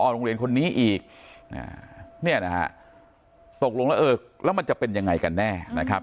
โรงเรียนคนนี้อีกเนี่ยนะฮะตกลงแล้วเออแล้วมันจะเป็นยังไงกันแน่นะครับ